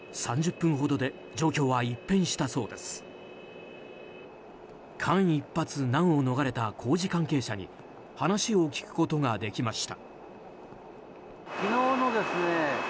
間一髪、難を逃れた工事関係者に話を聞くことができました。